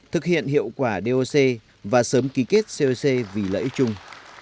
thực hiện hiệu quả doc và sớm ký kết coc vì lợi ích chung